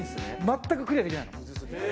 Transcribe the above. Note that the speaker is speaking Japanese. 全くクリアできない。